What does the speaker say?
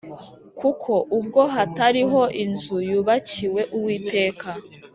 Kuko ubwo hatariho inzu yubakiwe uwiteka